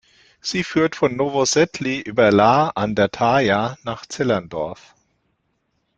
Sie führt von Novosedly über Laa an der Thaya nach Zellerndorf.